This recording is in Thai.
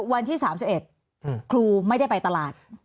วันที่๓๑ครูไม่ได้ไปตลาด